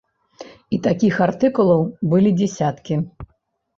І такіх артыкулаў былі дзясяткі.